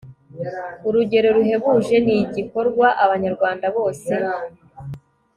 urugero ruhebuje ni igikorwa abanyarwanda bose